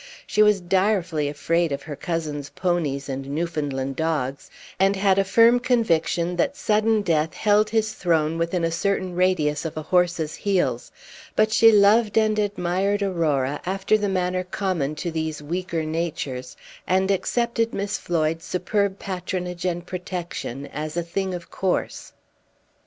She was direfully afraid of her cousin's ponies and Newfoundland dogs, and had a firm conviction that sudden death held his throne within a certain radius of a horse's heels; but she loved and admired Aurora, after the manner common to these weaker natures, and accepted Miss Floyd's superb patronage and protection as a thing of course.